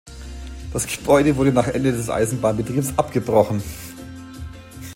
Das Gebäude wurde nach Ende des Eisenbahnbetriebs abgebrochen.